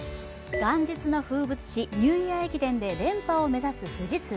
元日の風物詩ニューイヤー駅伝で連覇を目指す富士通。